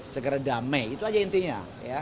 segera damai itu aja intinya